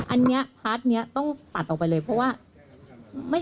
อันนี้พาร์ทนี้ต้องตัดออกไปเลยเพราะว่า